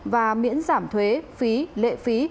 và miễn giảm thuế phí lệ phí